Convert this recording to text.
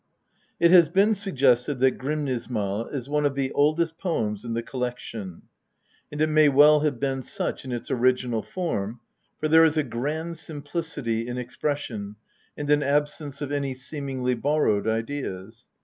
It has been suggested that Grimnismal is one of the oldest poems in the collection, and it may well have been such in its original form, for there is a grand simplicity in expression and an absence of any seemingly borrowed ideas.